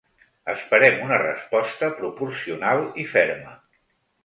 Esperem una resposta proporcional i ferma.